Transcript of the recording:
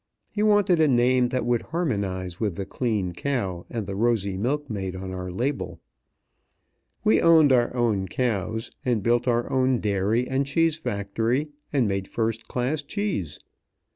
He wanted a name that would harmonize with the clean cow and the rosy milkmaid on our label. We owned our own cows, and built our own dairy and cheese factory, and made first class cheese.